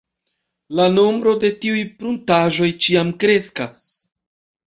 La nombro de tiuj pruntaĵoj ĉiam kreskas.